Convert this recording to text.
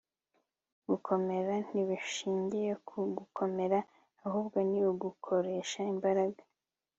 gukomera ntibishingiye ku gukomera, ahubwo ni ugukoresha imbaraga